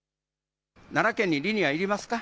奈良県にリニアいりますか。